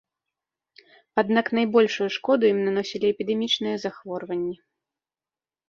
Аднак найбольшую шкоду ім наносілі эпідэмічныя захворванні.